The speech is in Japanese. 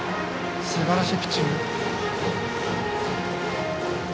すばらしいピッチング。